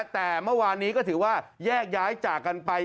แต่เมื่อวานนี้ก็ถือว่าแยกย้ายจากกันไป